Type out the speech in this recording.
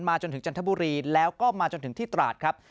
จนถึงจันทบุรีแล้วก็มาจนถึงที่ตราดครับ